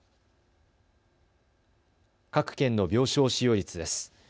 各県の病床使用率です。